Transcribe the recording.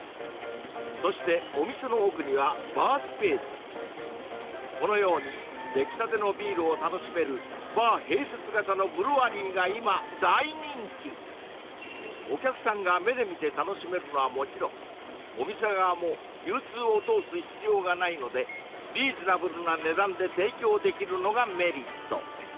そしてお店の奥にはこのようにできたてのビールを楽しめるバー併設型のブルワリーが今大人気お客さんが目で見て楽しめるのはもちろんお店側も流通を通す必要がないのでリーズナブルな値段で提供できるのがメリット